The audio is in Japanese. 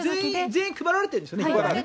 全員配られてるんですよね。